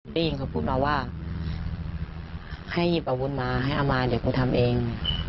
บิงเขาบุ๊บมาว่าให้หยิบอาวุธมาให้อำมาตย์เดี๋ยวกูทำเอง